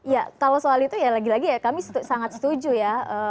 ya kalau soal itu ya lagi lagi ya kami sangat setuju ya